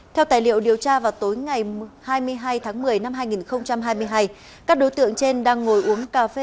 theo tài liệu điều tra vào tối ngày hai mươi hai tháng một mươi năm hai nghìn hai mươi hai các đối tượng trên đang ngồi uống cà phê